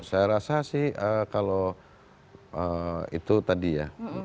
saya rasa sih kalau itu tadi ya